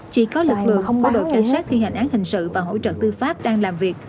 chỉ có lực lượng không có đội cảnh sát thi hành án hình sự và hỗ trợ tư pháp đang làm việc